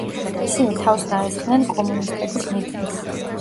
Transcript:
ისინი თავს დაესხნენ კომუნისტების მიტინგს.